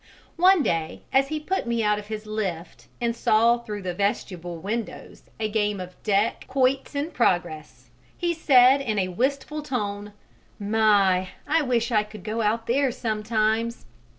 One day, as he put me out of his lift and saw through the vestibule windows a game of deck quoits in progress, he said, in a wistful tone, "My! I wish I could go out there sometimes!"